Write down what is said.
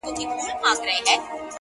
په دې وطن كي نستــه بېـــله بنگه ككــرۍ’